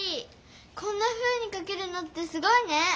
こんなふうにかけるなんてすごいね！